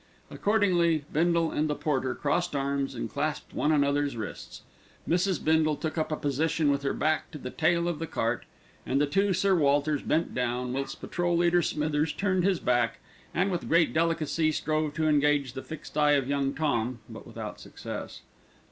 Accordingly Bindle and the porter crossed arms and clasped one another's wrists. Mrs. Bindle took up a position with her back to the tail of the cart, and the two Sir Walters bent down, whilst Patrol leader Smithers turned his back and, with great delicacy, strove to engage the fixed eye of Young Tom; but without success.